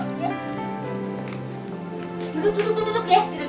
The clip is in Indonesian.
duduk duduk ya duduk duduk